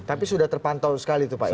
tapi sudah terpantau sekali itu pak